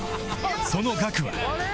その額は